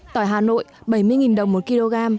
tỏi hà nội bảy mươi đồng một kg